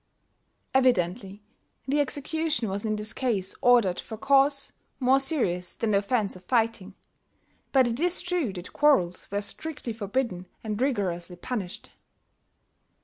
.... Evidently the execution was in this case ordered for cause more serious than the offence of fighting; but it is true that quarrels were strictly forbidden and rigorously punished.